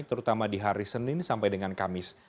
terutama di hari senin sampai dengan kamis